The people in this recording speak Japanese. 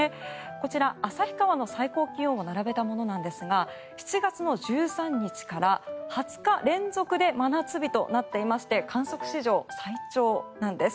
こちら、旭川の最高気温を並べたものなんですが７月１３日から２０日連続で真夏日となっていまして観測史上最長なんです。